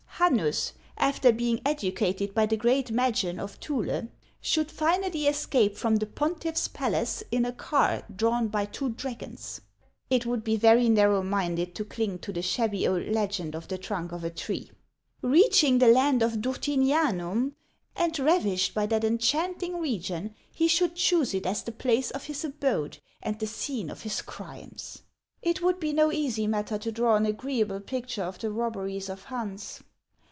Hannus, after being educated by the great Magian of Thule, should finally escape from the pontiff's palace in a car drawn by two dragons, — it would be very narrow minded to cling to the shabby old legend of the trunk of a tree. Reaching the land of Durtinianum, and ravished by that enchanting 102 HANS OF ICELAND. region, he should choose it as the place of his abode and the scene of his crimes. It would be no easy matter to draw an agreeable picture of the robberies of Hans.